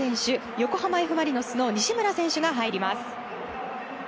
横浜Ｆ・マリノスの西村選手が入ります。